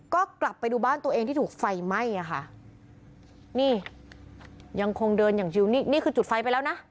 ก็กลับไปดูบ้านตัวเองที่ถูกไฟไหม้อ่ะค่ะนี่ยังคงเดินอย่างชิวนี่นี่คือจุดไฟไปแล้วนะ